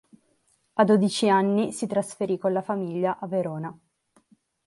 A dodici anni si trasferì con la famiglia a Verona.